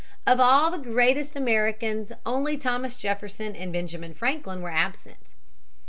Of all the greatest Americans only Thomas Jefferson and Benjamin Franklin were absent.